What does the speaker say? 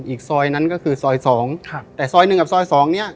อีกซอยนั้นก็คือซอยสองครับแต่ซอยหนึ่งกับซอยสองเนี้ย